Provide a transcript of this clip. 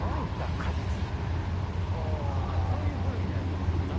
そういう部類になります。